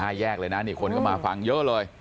แยกเลยนะนี่คนก็มาฟังเยอะเลย